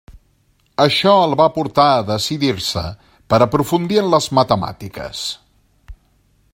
Això el va portar a decidir-se per aprofundir en les matemàtiques.